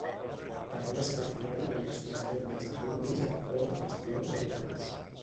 També va ser partidari del desplaçament dels amerindis en favor dels colons europeus.